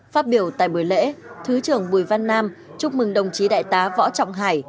phát biểu tại buổi lễ thứ trưởng bùi văn nam chúc mừng đồng chí đại tá võ trọng hải